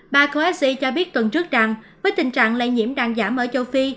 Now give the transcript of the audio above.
bà coexi cho biết tuần trước rằng với tình trạng lây nhiễm đang giảm ở châu phi